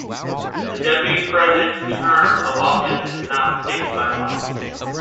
The Deputy President's term of office is not fixed by law.